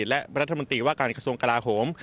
และรัฐมนตรีว่าการกระทรวงกลาโหม